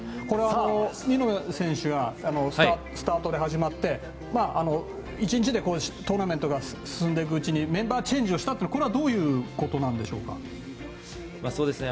見延選手はスタートで始まって１日でトーナメントが進んでいくうちにメンバーチェンジをしたというのはどういうことなんでしょうか。